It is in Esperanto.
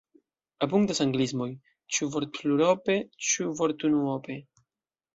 Abundas anglismoj – ĉu vortplurope, ĉu vortunuope.